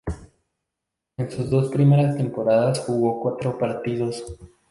En sus dos primeras temporadas jugó cuatro partidos.